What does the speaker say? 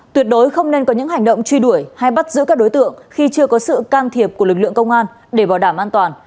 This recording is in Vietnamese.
tuyệt đối không nên có những hành động truy đuổi hay bắt giữ các đối tượng khi chưa có sự can thiệp của lực lượng công an để bảo đảm an toàn